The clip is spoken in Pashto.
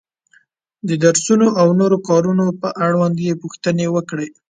د درسونو او نورو کارونو په اړوند یې پوښتنې وکړې.